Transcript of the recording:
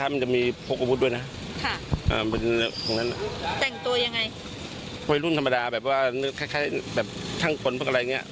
มันเข้าไปในซอยตรงนั้นนะตรงร้านค้ากันนั้นเนี่ย